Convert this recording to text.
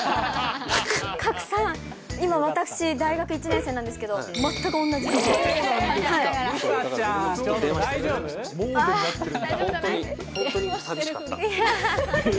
賀来さん、今、私、大学１年生なんですけど、全く同じ状況です。